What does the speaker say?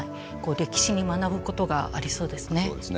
歴史に学ぶことがありそうですね。